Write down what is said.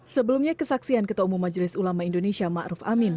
sebelumnya kesaksian ketua umum majelis ulama indonesia ma'aruf amin